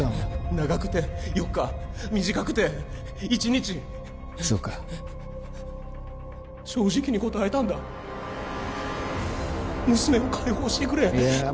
長くて４日短くて１日そうか正直に答えたんだ娘を解放してくれいや